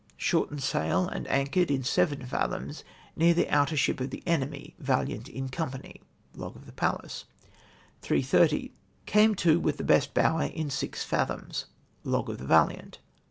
Shortened sail and anchored in 7 fathoms, near the outer ship of the enemy, Valiant in company." {Log of the Pallas.) "3*30. Came to with the best bower in 6 fatJtoms.''' {Log of Valiant.)